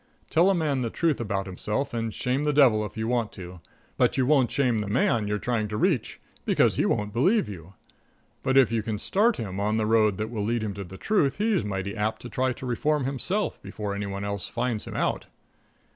Tell a man the truth about himself and shame the devil if you want to, but you won't shame the man you're trying to reach, because he won't believe you. But if you can start him on the road that will lead him to the truth he's mighty apt to try to reform himself before any one else finds him out.